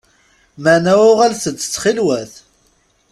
Meɛna uɣalet-d ttxil-wet!